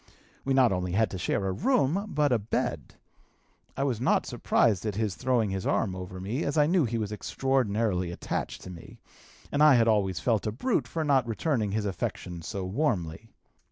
We not only had to share a room, but a bed. I was not surprised at his throwing his arm over me, as I knew he was extraordinarily attached to me, and I had always felt a brute for not returning his affection so warmly.